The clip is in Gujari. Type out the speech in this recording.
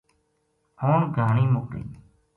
ہن گھانی مُک گئی